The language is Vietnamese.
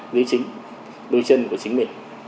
dưới chính đôi chân của chính mình